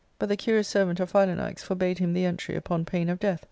But the curious* servant of Philanax forbade him the entry upon pain of death.